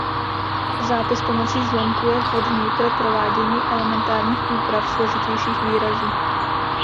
Zápis pomocí zlomků je vhodný pro provádění elementárních úprav složitějších výrazů.